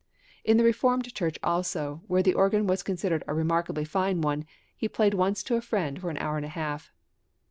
In the Reformed Church also, where the organ was considered a remarkably fine one, he once played to a friend for an hour and a half.